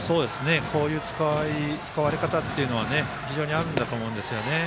こういう使われ方というのは非常にあるんだと思うんですけどね。